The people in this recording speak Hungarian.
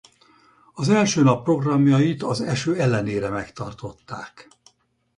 Az első nap programjait az eső ellenére megtartották.